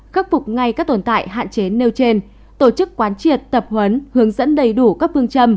khắc phục ngay các tồn tại hạn chế nêu trên tổ chức quán triệt tập huấn hướng dẫn đầy đủ các phương châm